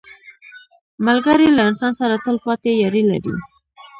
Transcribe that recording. ملګری له انسان سره تل پاتې یاري لري